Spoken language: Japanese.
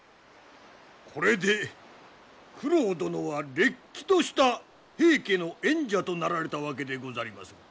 これで九郎殿はれっきとした平家の縁者となられたわけでござりまする。